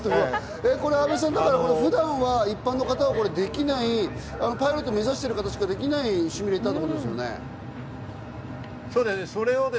阿部さん、普段は一般の方はできない、パイロットを目指してる方しかできないシミュレーターっていうことですよね。